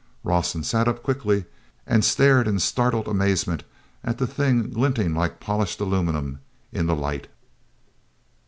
awson sat up quickly and stared in startled amazement at the thing glinting like polished aluminum in the light.